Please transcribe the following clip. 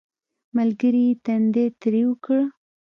ملګري یې تندی ترېو کړ